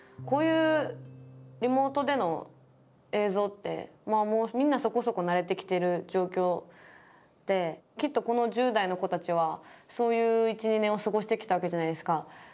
こういうリモートでの映像ってまあもうみんなそこそこ慣れてきてる状況できっとこの１０代の子たちはそういう１２年を過ごしてきたわけじゃないですか。